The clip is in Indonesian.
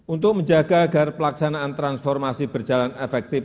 untuk menjaga agar pelaksanaan transformasi berjalan efektif